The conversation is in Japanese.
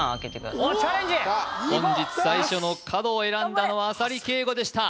本日最初の角を選んだのは浅利圭吾でした